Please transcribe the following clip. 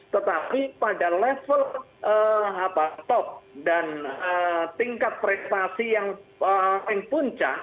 tetapi pada level top dan tingkat prestasi yang paling puncak